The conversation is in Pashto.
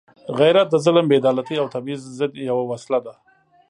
غیرت د ظلم، بېعدالتۍ او تبعیض ضد یوه وسله ده.